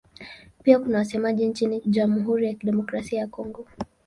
Pia kuna wasemaji nchini Jamhuri ya Kidemokrasia ya Kongo.